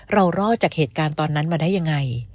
รอดจากเหตุการณ์ตอนนั้นมาได้ยังไง